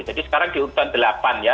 jadi sekarang di urusan delapan ya